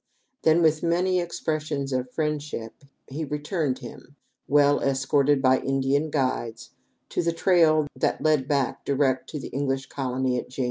Then, with many expressions of friendship, he returned him, well escorted by Indian guides, to the trail that led back direct to the English colony at Jamestown.